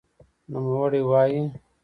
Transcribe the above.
نوموړی وايي